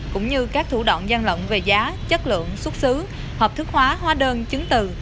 cũng như các thủ đoạn gian lộng về giá chất lượng xuất xứ hợp thức hóa hóa đơn chứng từ